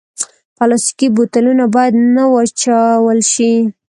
پلاستيکي بوتلونه باید نه واچول شي.